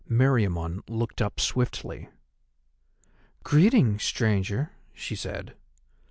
Meriamun looked up swiftly. "Greeting, Stranger," she said.